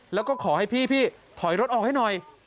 แล้วก็ขอให้พี่ถอยรถออกให้หน่อย